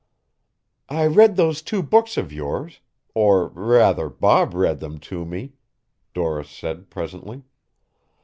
"I read those two books of yours or rather Bob read them to me," Doris said presently.